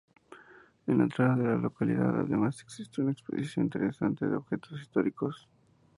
En la entrada a la localidad, además existe una exposición interesante de objetos históricos.